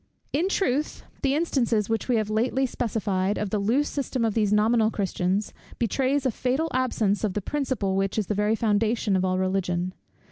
In truth, the instance which we have lately specified, of the loose system of these nominal Christians, betrays a fatal absence of the principle which is the very foundation of all Religion.